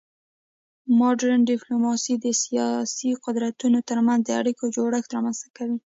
مډرن ډیپلوماسي د سیاسي قدرتونو ترمنځ د اړیکو جوړښت رامنځته کوي